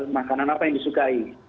makanan apa yang disukai